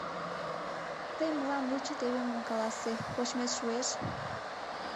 Тый мылам лучо теве мом каласе: кочмет шуэш?